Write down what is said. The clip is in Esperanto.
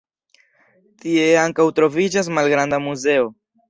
Tie ankaŭ troviĝas malgranda muzeo.